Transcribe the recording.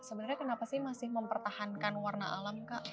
sebenarnya kenapa sih masih mempertahankan warna alam kak